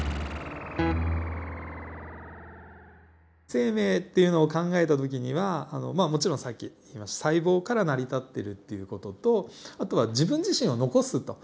生命っていうのを考えた時にはもちろんさっき言いました細胞から成り立ってるっていう事とあとは自分自身を残すと。